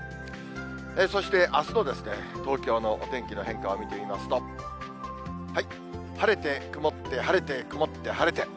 そしてあすの東京のお天気の変化を見てみますと、晴れて、曇って、晴れて曇って、晴れて。